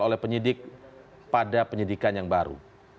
oleh penyidik pada penyidikan yang baru